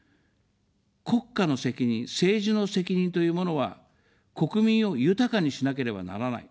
国家の責任、政治の責任というものは国民を豊かにしなければならない。